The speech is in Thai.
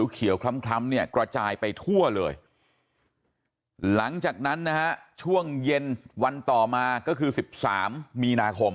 เขียวคล้ำเนี่ยกระจายไปทั่วเลยหลังจากนั้นนะฮะช่วงเย็นวันต่อมาก็คือ๑๓มีนาคม